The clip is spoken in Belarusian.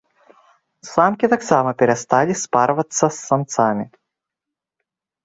Самкі таксама перасталі спарвацца з самцамі.